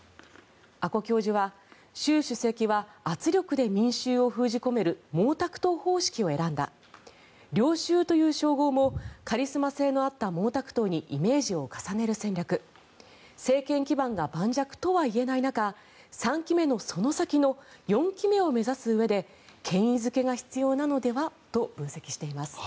阿古教授は習主席は圧力で民衆を封じ込める毛沢東方式を選んだ領袖という称号もカリスマ性のあった毛沢東にイメージを重ねる戦略政権基盤が盤石とはいえない中３期目のその先の４期目を目指すうえで権威付けが必要なのではと分析しています。